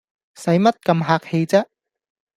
使乜咁客氣唧